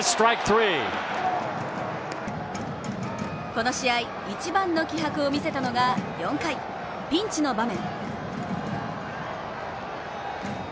この試合、一番の気迫を見せたのが４回ピンチの場面。